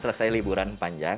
setelah selesai liburan panjang